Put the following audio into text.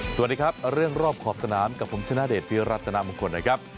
สวัสดีครับเรื่องรอบขอบสนามกับผมชนะเดชพิรัตนามงคลนะครับ